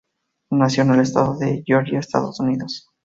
Nació en el estado de Georgia, Estados Unidos.